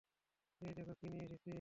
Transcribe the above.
এই দেখো, কী নিয়ে এসেছি।